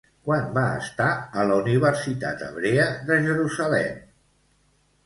Quan va estar a la Universitat Hebrea de Jerusalem?